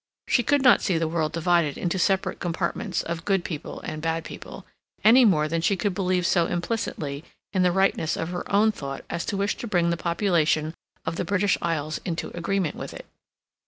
She could not see the world divided into separate compartments of good people and bad people, any more than she could believe so implicitly in the rightness of her own thought as to wish to bring the population of the British Isles into agreement with it.